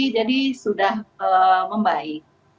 jadi sudah membaik